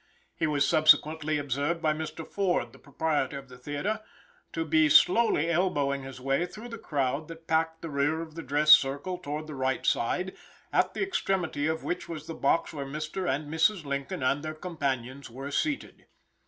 He was subsequently observed by Mr. Ford, the proprietor of the theater, to be slowly elbowing his way through the crowd that packed the rear of the dress circle toward the right side, at the extremity of which was the box where Mr. and Mrs. Lincoln and their companions were seated.